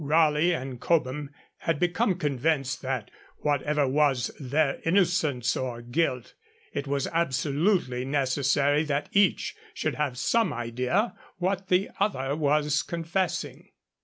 Raleigh and Cobham had become convinced that, whatever was their innocence or guilt, it was absolutely necessary that each should have some idea what the other was confessing.